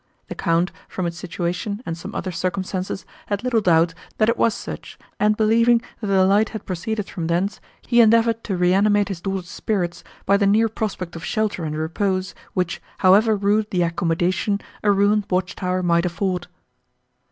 The Count, from its situation and some other circumstances, had little doubt, that it was such, and believing, that the light had proceeded from thence, he endeavoured to reanimate his daughter's spirits by the near prospect of shelter and repose, which, however rude the accommodation, a ruined watch tower might afford.